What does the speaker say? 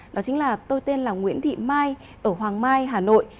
đó chính là tôi tên là nguyễn thị mai ở hoàng mai hà nội